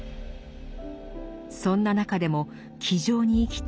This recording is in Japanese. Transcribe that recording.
そんな中でも気丈に生きた